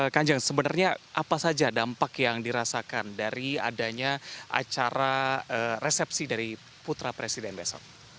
kanjeng sebenarnya apa saja dampak yang dirasakan dari adanya acara resepsi dari putra presiden besok